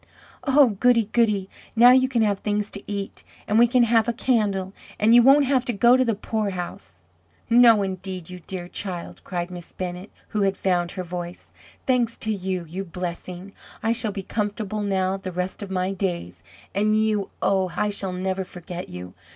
"Oh, goody! goody! now you can have things to eat! and we can have a candle! and you won't have to go to the poorhouse!" "No, indeed, you dear child!" cried Miss Bennett who had found her voice. "Thanks to you you blessing! I shall be comfortable now the rest of my days. And you! oh! I shall never forget you!